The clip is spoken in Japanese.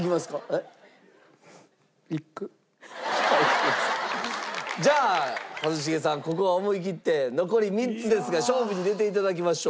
えっ？じゃあ一茂さんここは思いきって残り３つですが勝負に出て頂きましょう。